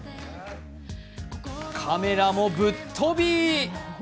カメラもぶっ飛び！